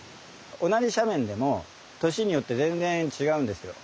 同じ斜面でも年によって全然違うんですよ。